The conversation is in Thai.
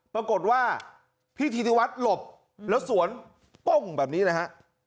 ปรากฏว่าพี่ธีธิวัฒน์หลบแล้วสวนป้งแบบนี้เลยฮะ